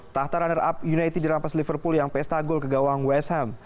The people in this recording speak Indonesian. tahta runner up united dirampas liverpool yang pesta gol ke gawang west ham